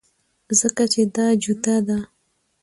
ځکه چې دا جوته ده